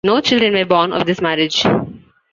No children were born of this marriage.